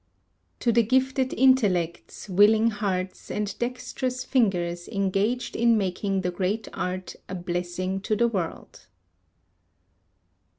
TO THE GIFTED INTELLECTS, WILLING HEARTS, AND DEXTEROUS FINGERS ENGAGED IN MAKING THE GREAT ART A BLESSING TO THE WORLD.